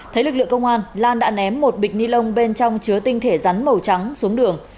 thấy lực lượng công an lan đã ném một bịch ni lông bên trong chứa tinh thể rắn màu trắng xuống đường